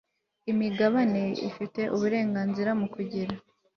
imigabane ifite uburengazira mu kugira